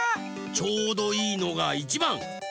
ちょうどいいのがいちばん。